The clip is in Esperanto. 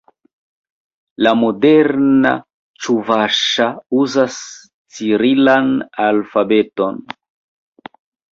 La moderna ĉuvaŝa uzas cirilan alfabeton.